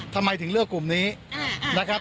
ทำไมถึงเลือกกลุ่มนี้นะครับ